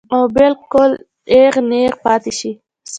او بالکل اېغ نېغ پاتې شي -